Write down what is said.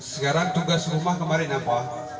sekarang tugas rumah kemarin apa